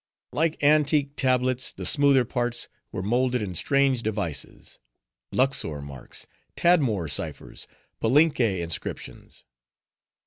Like antique tablets, the smoother parts were molded in strange devices:—Luxor marks, Tadmor ciphers, Palenque inscriptions.